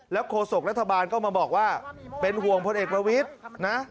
โคศกรัฐบาลก็มาบอกว่าเป็นห่วงพลเอกประวิทย์นะ